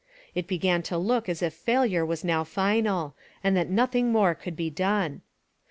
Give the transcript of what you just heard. It began to look as if failure was now final, and that nothing more could be done.